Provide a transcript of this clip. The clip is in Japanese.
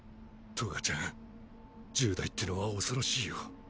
トガちゃん十代ってのは恐ろしいよ。